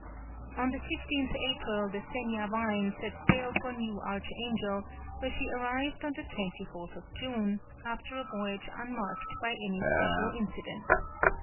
On the 15th April, the Seniavine set sail for New Archangel, where she arrived on the 24th June, after a voyage unmarked by any special incident.